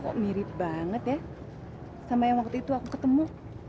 kok mirip banget ya sama yang waktu itu aku ketemu